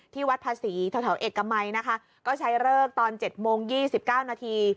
ที่วัดภาษีที่เอกมัยนะคะก็ใช้เริกตอนเจ็ดโมงหยี่สิบเก้านาที